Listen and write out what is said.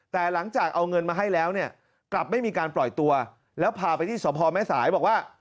แต่หลังจากเอาเงินมาให้แล้วเนี่ยกลับไม่มีการปล่อยตัวแล้วพาไปที่สพแม่สายบอกว่า